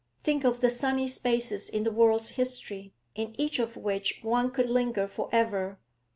Think of the sunny spaces in the world's history, in each of which one could linger for ever.